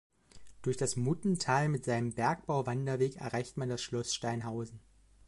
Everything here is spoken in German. Durch das Muttental mit seinem Bergbauwanderweg erreicht man Schloss Steinhausen.